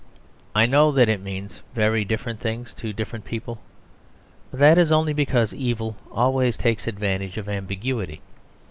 I know that it means very different things to different people; but that is only because evil always takes advantage of ambiguity.